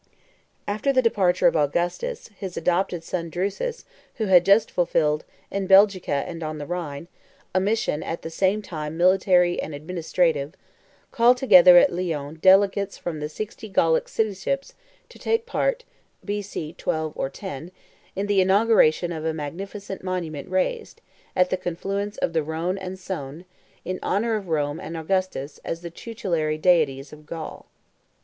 After the departure of Augustus, his adopted son Drusus, who had just fulfilled, in Belgica and on the Rhine, a mission at the same time military and administrative, called together at Lyons delegates from the sixty Gallic cityships, to take part (B.C.12 or 10) in the inauguration of a magnificent monument raised, at the confluence of the Rhone and Saone, in honor of Rome and Augustus as the tutelary deities of Gaul.